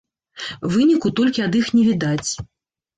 Выніку толькі ад іх не відаць.